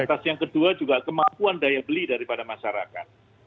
lantas yang kedua juga kemampuan daya beli daripada masyarakat